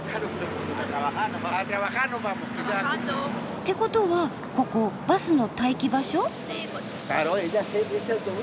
ってことはここバスの待機場所？